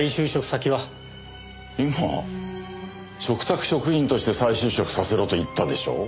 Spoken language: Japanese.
今嘱託職員として再就職させろと言ったでしょう？